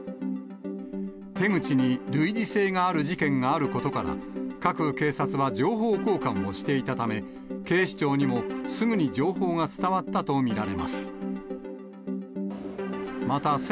手口に類似性がある事件があることから、各警察は情報交換をしていたため、警視庁にもすぐに情報が伝わったと見られます。